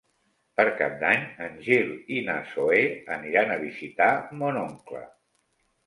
Per Cap d'Any en Gil i na Zoè aniran a visitar mon oncle.